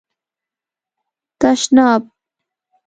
🚾 تشناب